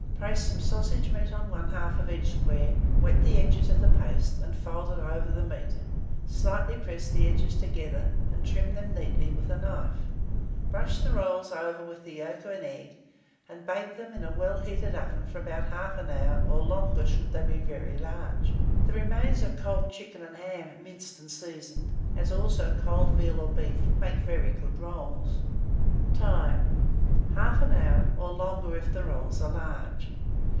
Place some sausage meat on one half of each square, wet the edges of the paste, and fold it over the meat; slightly press the edges together, and trim them neatly with a knife. Brush the rolls over with the yolk of an egg, and bake them in a well heated oven for about 1/2 hour, or longer should they be very large. The remains of cold chicken and ham, minced and seasoned, as also cold veal or beef, make very good rolls. Time. 1/2 hour, or longer if the rolls are large.